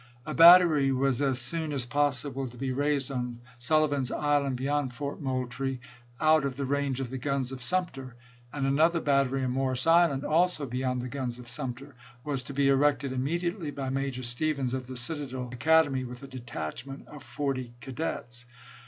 A battery was as soon as possible to be raised on Sullivan's Island beyond Fort Moultrie, out of the range of the guns of Sumter ; and another battery on Morris Island, also beyond the guns of Sumter, was to be erected immediately by Major Stevens of the Citadel Academy, with a detachment of forty cadets.